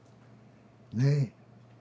ねえ。